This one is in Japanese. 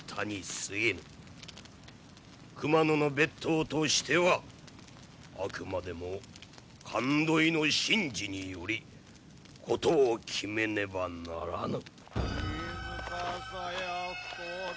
熊野の別当としてはあくまでも神問いの神事により事を決めねばならぬ。